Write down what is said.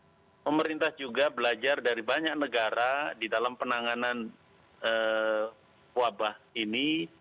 jadi pemerintah juga belajar dari banyak negara di dalam penanganan